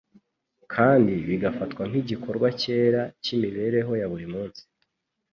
kandi bigafatwa nk'igikorwa cyera cy'imibereho ya buri munsi